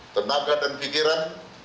tenaga dan pikiran